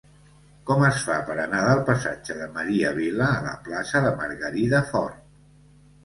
Com es fa per anar del passatge de Maria Vila a la plaça de Margarida Fort?